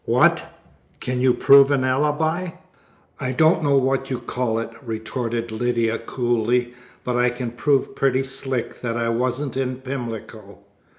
"What! Can you prove an alibi?" "I don't know what you call it," retorted Lydia coolly, "but I can prove pretty slick that I wasn't in Pimlico."